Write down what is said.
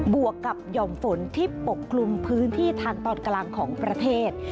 วกกับหย่อมฝนที่ปกคลุมพื้นที่ทางตอนกลางของประเทศ